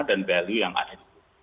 dan value yang ada